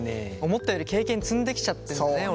思ったより経験積んできちゃってんだね俺。